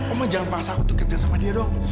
oma jangan paksa aku kerja sama dia dong